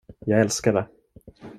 Jag älskar det.